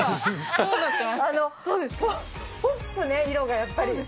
ポップね、色が、やっぱり。